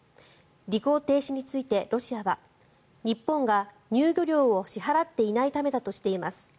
履行停止についてロシアは日本が入漁料を支払っていないためだとしています。